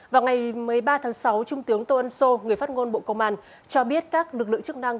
vào ngày một mươi ba tháng sáu trung tướng tô ân sô người phát ngôn bộ công an cho biết các lực lượng chức năng